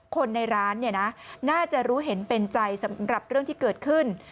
คนในร้านเนี่ยนะน่าจะรู้เห็นเป็นใจสำหรับเรื่องที่เกิดขึ้น